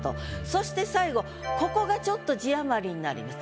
そして最後ここがちょっと字余りになります。